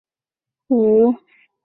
辖区包括伊莎贝拉省。